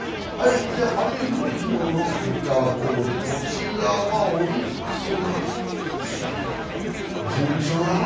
パ・リーグの昨日の結果はこうでこちらはオリックスが順調だな。